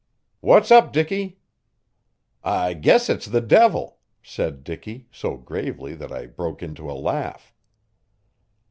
"What's up, Dicky?" "I guess it's the devil," said Dicky, so gravely that I broke into a laugh.